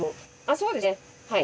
そうですねはい。